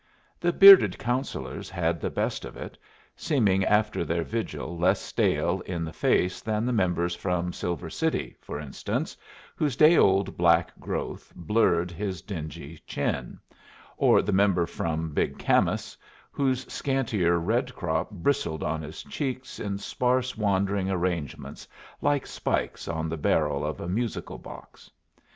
The bearded Councillors had the best of it, seeming after their vigil less stale in the face than the member from Silver City, for instance, whose day old black growth blurred his dingy chin, or the member from Big Camas, whose scantier red crop bristled on his cheeks in sparse wandering arrangements, like spikes on the barrel of a musical box.